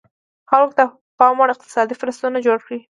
خلکو ته پاموړ اقتصادي فرصتونه جوړ کړي.